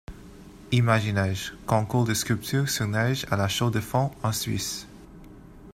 Imagineige, concours de sculptures sur neige à La Chaux-de-Fonds, en Suisse.